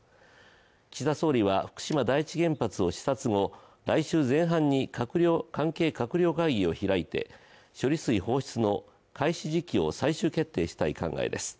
岸田総理は福島第一原発を視察後、来週前半に関係閣僚会議を開いて処理水放出の開始時期を最終決定したい考えです。